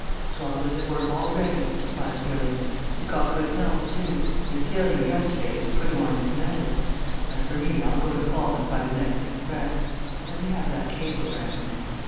"Swallow is at work already," replied Gilling. "He's got good help, too, and his failure yesterday has put him on his mettle. As for me, I'll go to Falmouth by the next express. Let me have that cablegram."